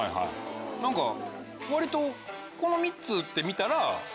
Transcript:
何か割とこの３つって見たら。